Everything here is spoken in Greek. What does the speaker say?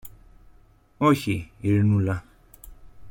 Όχι, Ειρηνούλα.